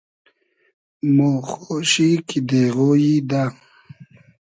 مۉ خۉشی کی دېغۉیی دۂ